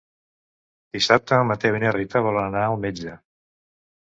Dissabte en Mateu i na Rita volen anar al metge.